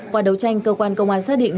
qua đấu tranh cơ quan công an xác định